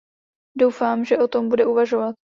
Doufám, že o tom bude uvažovat.